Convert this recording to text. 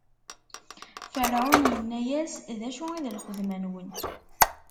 Ferɛun inna-yasen: D acu i d lxedma-nwen?